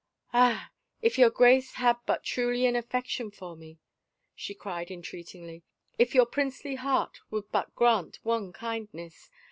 " Ah, if your Grace had but truly an affection for me !" she cried entreatingly. " If your princely heart would but grant one kindness